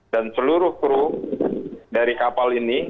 dan seluruh kru dari kapal ini